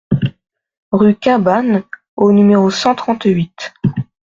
Rue Cabanes au numéro cent trente-huit